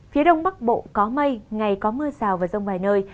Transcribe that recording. phía đông bắc bộ có mây ngày có mưa rào và rông vài nơi